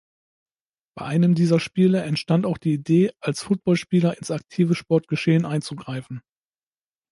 Bei einem dieser Spiele entstand auch die Idee, als Footballspieler ins aktive Sportgeschehen einzugreifen.